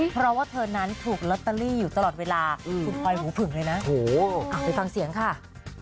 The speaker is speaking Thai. เพราะว่าเธอนั้นถูกลอตเตอรี่อยู่ตลอดเวลาคุณพลอยหูผึ่งเลยนะไปฟังเสียงค่ะ